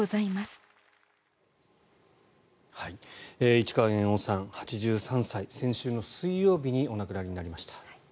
市川猿翁さん、８３歳先週の水曜日にお亡くなりになりました。